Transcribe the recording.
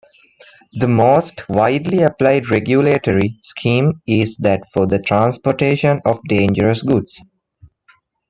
The most widely applied regulatory scheme is that for the transportation of dangerous goods.